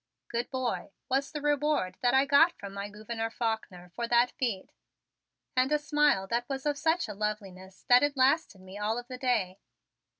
"Good boy," was the reward that I got from my Gouverneur Faulkner for that feat, and a smile that was of such a loveliness that it lasted me all of the day.